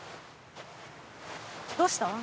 どうした？